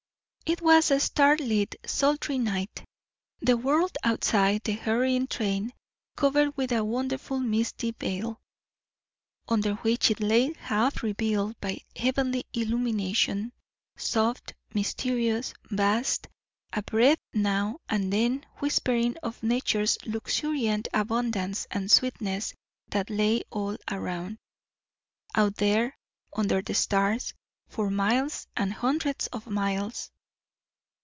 It was a starlit, sultry night; the world outside the hurrying train covered with a wonderful misty veil, under which it lay half revealed by the heavenly illumination; soft, mysterious, vast; a breath now and then whispering of nature's luxuriant abundance and sweetness that lay all around, out there under the stars, for miles and hundreds of miles.